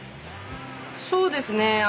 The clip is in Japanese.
そうですね。